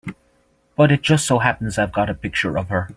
But it just so happens I've got a picture of her.